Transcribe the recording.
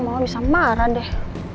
mbak mbak bisa marah deh